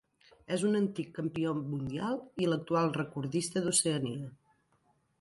És un antic campió mundial i l'actual recordista d'Oceania.